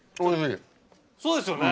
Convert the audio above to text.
そうですよね！